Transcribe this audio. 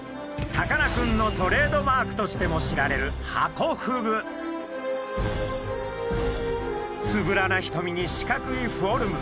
さかなクンのトレードマークとしても知られるつぶらなひとみに四角いフォルム。